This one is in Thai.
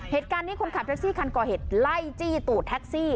เหตุการณ์นี้คนขับแท็กซี่คันก่อเหตุไล่จี้ตูดแท็กซี่